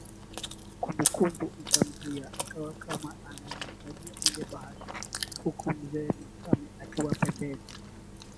Kumbukumbu ikamjia akawa kama anaiangalia ile bahasha huku mze Makame akiwa pembeni